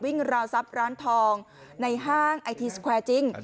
ราวทรัพย์ร้านทองในห้างไอทีสแควร์จริง